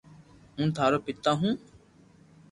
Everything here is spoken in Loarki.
ھون ٿارو پيتا ھون